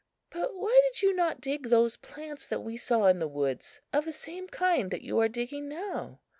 "But why did you not dig those plants that we saw in the woods, of the same kind that you are digging now?"